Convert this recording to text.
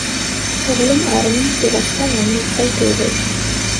பொருளும் அறமும் சிறக்க நன்மக்கள் தேவை.